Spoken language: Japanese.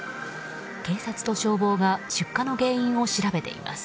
警察と消防が出火の原因を調べています。